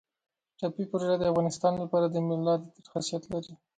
ټاپي پروژه د افغانستان لپاره د ملا د تیر حیثیت لري